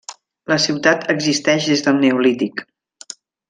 La ciutat existeix des del neolític.